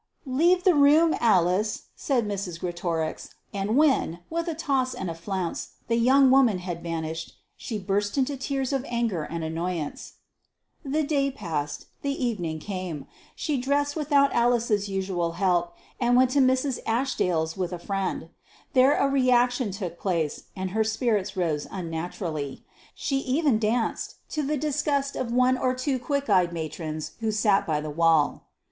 "Leave the room, Alice," said Mrs. Greatorex; and when, with a toss and a flounce, the young woman had vanished, she burst into tears of anger and annoyance. The day passed. The evening came. She dressed without Alice's usual help, and went to Lady Ashdaile's with her friend. There a reaction took place, and her spirits rose unnaturally. She even danced to the disgust of one or two quick eyed matrons who sat by the wall.